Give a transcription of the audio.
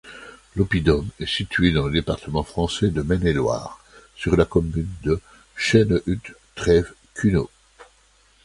L'oppidum est situé dans le département français de Maine-et-Loire, sur la commune de Chênehutte-Trèves-Cunault.